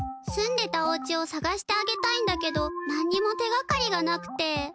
住んでたおうちをさがしてあげたいんだけど何にも手がかりがなくて。